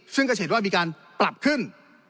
ซึ่งก็เห็นว่ามีการปรับขึ้น